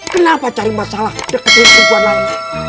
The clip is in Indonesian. kenapa cari masalah dekat dengan perempuan lain